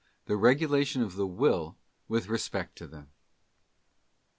The regulation of the Will with respect to them.